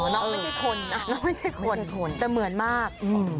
น้องไม่ใช่คนแต่เหมือนมาก